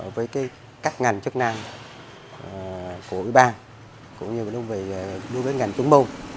với các ngành chức năng của ủy ban cũng như đối với ngành tướng mông